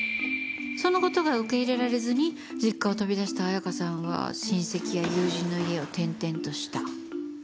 その事が受け入れられずに実家を飛び出した彩華さんは親戚や友人の家を転々とした。